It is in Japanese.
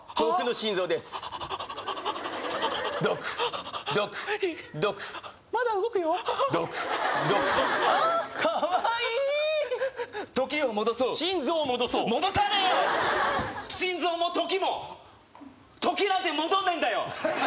心臓も時も時なんて戻んないんだよ